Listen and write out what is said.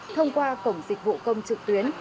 thông qua cổng dịch vụ công trực tuyến